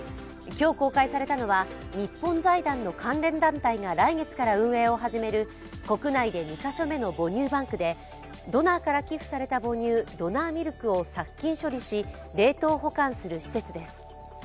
今日公開されたのは日本財団の関連団体が来月から運営を始める、国内で２カ所目の母乳バンクでドナーから寄付された母乳、ドナーミルクを殺菌処理し、冷凍保管する施設です